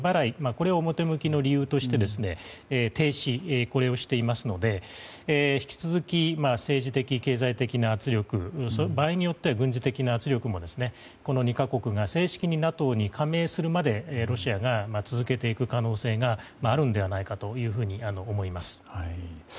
これを表向きの理由として停止していますので引き続き、政治的、経済的な圧力場合によっては軍事的な圧力もこの２か国が正式にＮＡＴＯに加盟するまでロシアが続けていく可能性があるのではないかと思います。